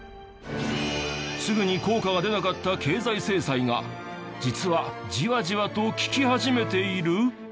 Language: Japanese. すぐに効果が出なかった経済制裁が実はジワジワと効き始めている！？